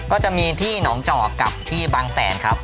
ก็จะมีที่หนองจอกกับที่บางแสนครับ